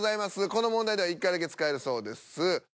この問題では１回だけ使えるそうです。